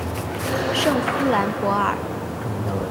圣夫兰博尔。